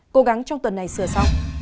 cố gắng trong tuần này sửa sót